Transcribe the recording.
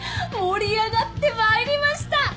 盛り上がってまいりました！